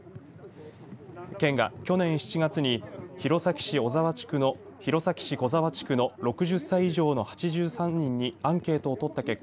県が去年７月に弘前市小沢地区の６０歳以上の８３人にアンケートを取った結果